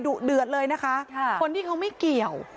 ดุเดือดเลยนะคะคนที่เขาไม่เกี่ยว